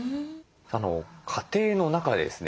家庭の中でですね